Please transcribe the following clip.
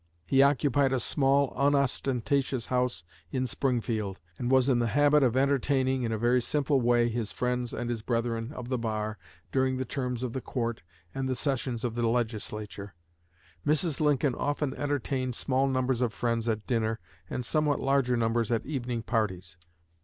He occupied a small unostentatious house in Springfield, and was in the habit of entertaining, in a very simple way, his friends and his brethren of the bar during the terms of the court and the sessions of the Legislature. Mrs. Lincoln often entertained small numbers of friends at dinner and somewhat larger numbers at evening parties.